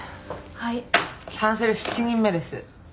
キャンセル７人目です。